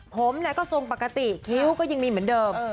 ผมก็ทรงปกติคิ้วก็ยังมีเหมือนเดิม